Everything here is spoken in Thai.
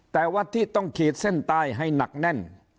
แต่ว่าที่ต้องขีดเส้นใต้ให้หนักแน่น